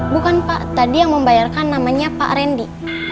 bukan pak tadi yang membayarkan namanya pak randy